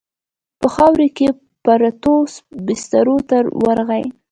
په خاورو کې پرتو بسترو ته ورغی.